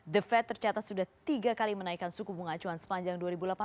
the fed tercatat sudah tiga kali menaikkan suku bunga acuan sepanjang dua ribu delapan belas